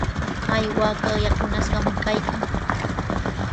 Kay waakaqa yakunashqami kaykan.